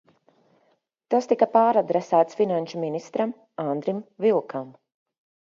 Tas tika pāradresēts finanšu ministram Andrim Vilkam.